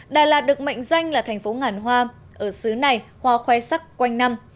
đà lạt được mệnh danh là thành phố ngàn hoa ở xứ này hoa khoe sắc quanh năm